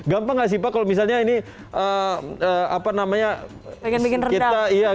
gampang nggak sih pak kalau misalnya ini apa namanya kita